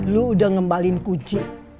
lu udah ngembalin kunci